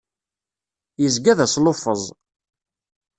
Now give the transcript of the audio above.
Yezga d asluffeẓ.